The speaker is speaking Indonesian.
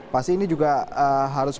pasti ini juga harus